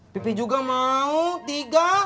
pipi juga mau tiga